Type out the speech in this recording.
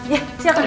ya silakan tante